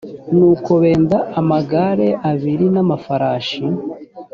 nuko benda amagare abiri n amafarashi